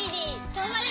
がんばれ！